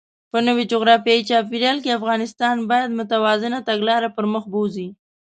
په نوي جغرافیايي چاپېریال کې، افغانستان باید متوازنه تګلاره پرمخ بوځي.